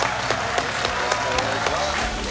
よろしくお願いします。